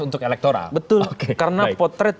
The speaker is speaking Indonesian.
untuk elektoral betul karena potret